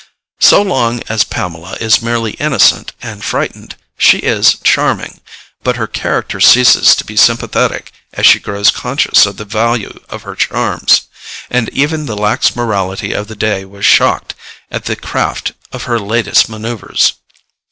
So long as Pamela is merely innocent and frightened, she is charming, but her character ceases to be sympathetic as she grows conscious of the value of her charms, and even the lax morality of the day was shocked at the craft of her latest manoeuvres.